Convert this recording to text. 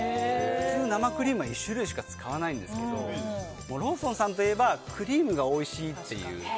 普通、生クリームは１種類しか使わないんですけどローソンさんといえばクリームがおいしいという。